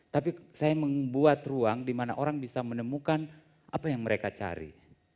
tapi saya membuat ruang di mana orang bisa menemukan apa yang mereka cari